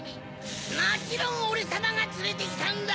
もちろんオレさまがつれてきたんだ！